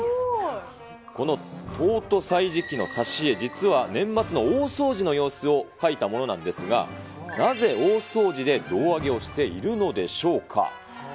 この東都歳時記の挿絵、実は年末の大掃除の様子を書いたものなんですが、なぜ大掃除で胴上げをしているのでしょうか。